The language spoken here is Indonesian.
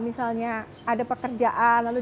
misalnya ada pekerjaan lalu